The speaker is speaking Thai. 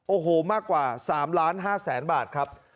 โอ้โหมากกว่า๓ล้าน๕แสนบาทครับ